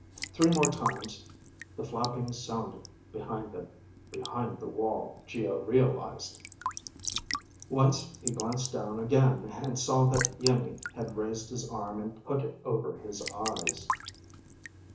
Three more times the flapping sounded behind them, behind the wall, Geo realized. Once he glanced down again and saw that Iimmi had raised his arm and put it over his eyes.